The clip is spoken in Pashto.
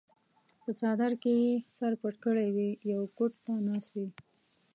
پۀ څادر کښې ئې سر پټ کړے وي يو ګوټ ته ناست وي